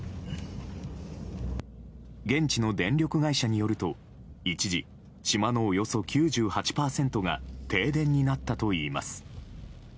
現地の電力会社によると一時、島のおよそ９８％が停電になったといいます。